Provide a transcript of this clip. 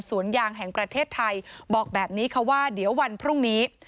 ยางแห่งประเทศไทยบอกแบบนี้ค่ะว่าเดี๋ยววันพรุ่งนี้